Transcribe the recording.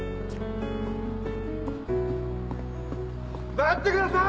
待ってください！